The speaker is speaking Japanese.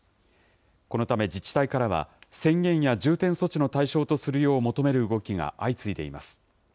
このため自治体からは、宣言や重点措置の対象とするよう求める動きが相次いでいます。